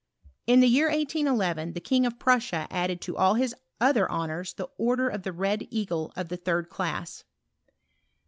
In the year 1811, tiie King of Prussia added to all his other honours the order of the Red Eagle of the third class.